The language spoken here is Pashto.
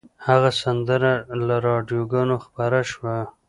هغه سندره له راډیوګانو خپره شوه